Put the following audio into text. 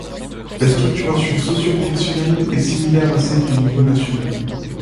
La structuration socioprofessionnelle est similaire à celle du niveau national.